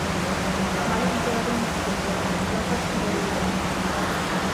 Malia empregar un extintor, as lapas reavivaron.